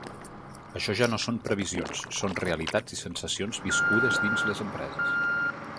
Això ja no són previsions, són realitats i sensacions viscudes dins les empreses.